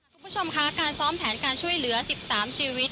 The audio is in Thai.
คุณผู้ชมคะการซ้อมแผนการช่วยเหลือ๑๓ชีวิต